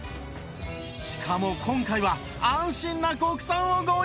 しかも今回は安心な国産をご用意